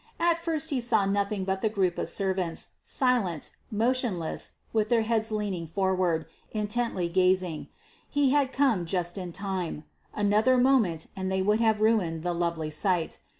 At first he saw nothing but the group of servants, silent, motionless, with heads leaning forward, intently gazing: he had come just in time: another moment and they would have ruined the lovely sight.